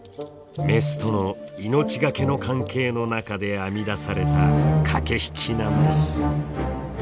メスとの命がけの関係の中で編み出された駆け引きなんです。